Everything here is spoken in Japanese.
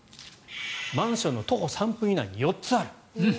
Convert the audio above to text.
マンションの徒歩３分以内に４つある。